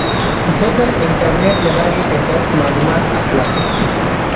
زه د انټرنیټ له لارې د درس معلومات اخلم.